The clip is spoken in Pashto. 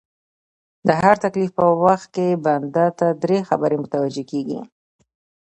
د هر تکليف په وخت کي بنده ته دری خبري متوجې کيږي